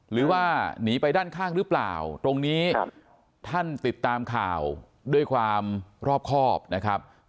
หรือว่าหนีไปด้านข้างหรือเปล่าตรงนี้ท่านติดตามข่าวด้วยความรอบครอบนะครับ